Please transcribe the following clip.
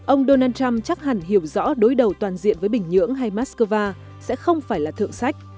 ông donald trump chắc hẳn hiểu rõ đối đầu toàn diện với bình nhưỡng hay moscow sẽ không phải là thượng sách